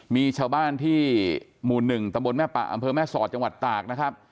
มีชาวบ้านที่หมู่๑ตำบลแม่ปะอำเภอแม่สอดจังหวัดตากนะครับ